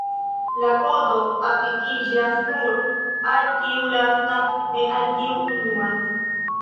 La Kodo aplikiĝas nur al tiu lasta, ne al tiu unua.